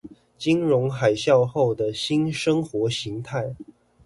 金融海嘯後的新生活形態